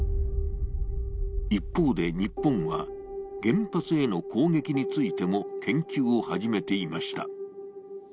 一方で、日本は原発への攻撃についても研究を始めていました。